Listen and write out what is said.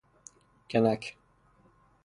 کنک